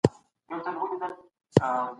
هر وګړی باید په سیاست پوه وي.